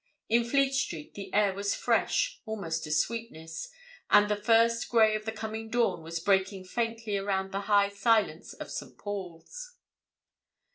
In Fleet Street the air was fresh, almost to sweetness, and the first grey of the coming dawn was breaking faintly around the high silence of St. Paul's.